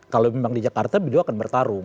kalau memang di jakarta b dua akan bertarung